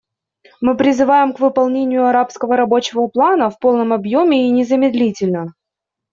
Мы призываем к выполнению арабского рабочего плана в полном объеме и незамедлительно.